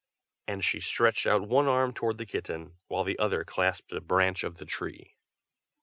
and she stretched out one arm toward the kitten, while the other clasped a branch of the tree.